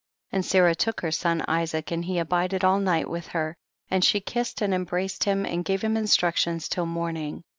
8. And Sarah took her son Isaac and he abided all that night with her, and she kissed and embraced him, and gave him instructions till morn ing.